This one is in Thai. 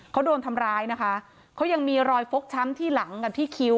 เขาโดนทำร้ายนะคะเขายังมีรอยฟกช้ำที่หลังกับที่คิ้ว